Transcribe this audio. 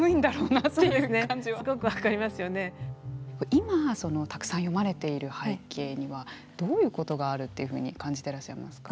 今たくさん詠まれている背景にはどういうことがあるっていうふうに感じてらっしゃいますか？